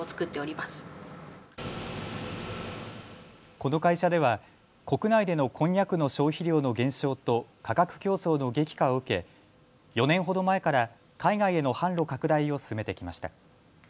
この会社では国内でのこんにゃくの消費量の減少と価格競争の激化を受け４年ほど前から海外への販路拡大を進めてきました。